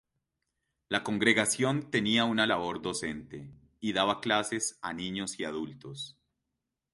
La congregación tenía una labor docente, y daba clases a niños y a adultos.